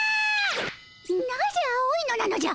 なぜ青いのなのじゃ！